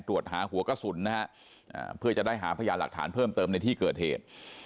ตรวจหาหัวกระสุนนะฮะเพื่อจะได้หาพยานหลักฐานเพิ่มเติมในที่เกิดเหตุ